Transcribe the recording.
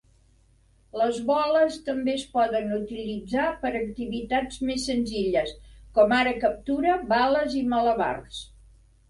Les boles també es poden utilitzar per a activitats més senzilles, com ara captura, bales i malabars.